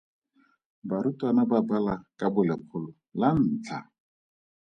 Barutwana ba bala ka bolekgolo la ntlha.